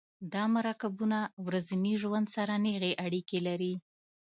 دا مرکبونه ورځني ژوند سره نیغې اړیکې لري.